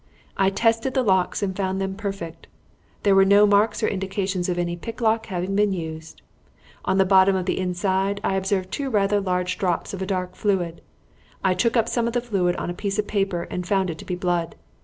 I tested the locks and found them perfect; there were no marks or indications of any picklock having been used. On the bottom of the inside I observed two rather large drops of a dark fluid. I took up some of the fluid on a piece of paper and found it to be blood.